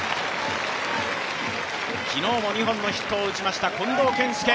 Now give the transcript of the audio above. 昨日も２本のヒットを打ちました近藤健介。